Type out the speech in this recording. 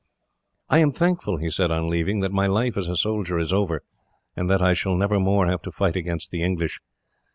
"I am thankful," he said, on leaving, "that my life as a soldier is over, and that I shall never more have to fight against the English.